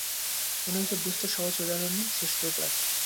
কোনো কিছু বুঝতে সহজ উদাহরণই শ্রেষ্ঠ উপায়।